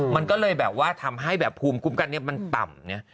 มันก็เลยแบบว่าทำให้แบบภูมิคุ้มกันเนี่ยมันต่ำเนี่ย